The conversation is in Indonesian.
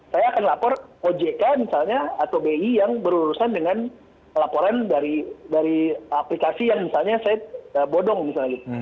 saya akan lapor ojk misalnya atau bi yang berurusan dengan laporan dari aplikasi yang misalnya saya bodong misalnya gitu